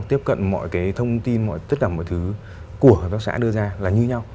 tiếp cận mọi cái thông tin tất cả mọi thứ của hội tác xã đưa ra là như nhau